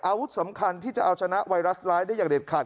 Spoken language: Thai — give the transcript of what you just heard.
อาวุธสำคัญที่จะเอาชนะไวรัสร้ายได้อย่างเด็ดขาด